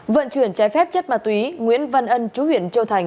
vận chuyển trái phép chất ma túy nguyễn văn ân chú huyện châu thành